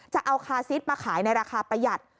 จะเอาคาซิสมาขายในราคาประหยัด